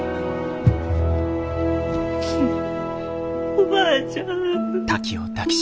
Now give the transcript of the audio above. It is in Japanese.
おばあちゃん。